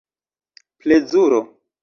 plezuro